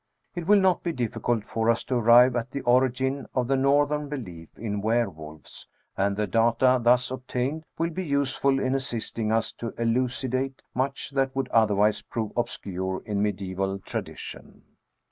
It will not be difficult for us to arrive at the origin of the Northern belief in were wolves, and the data thus obtained will be useful in assisting us to elucidate much that would otherwise prove obscure in mediaeval tradition.